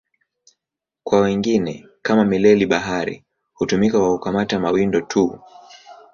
Kwa wengine, kama mileli-bahari, hutumika kwa kukamata mawindo tu.